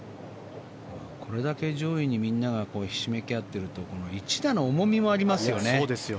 これだけ上位にみんながひしめき合っているとこの一打の重みもありますよね。